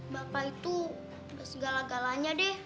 bapak itu segala galanya deh